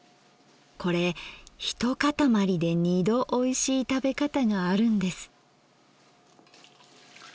これ一塊で二度おいしい食べ方があるんです。